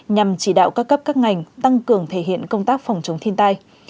nhằm chỉ đạo các cấp các ngành tăng cường thể hiện công tác phòng chống thiên tai